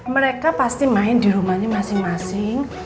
mereka pasti main di rumahnya masing masing